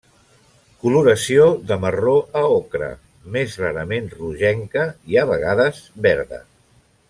Coloració de marró a ocre, més rarament rogenca i a vegades verda.